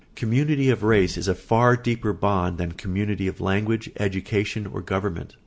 ] Community of race is a far deeper bond than community of language, education, or government.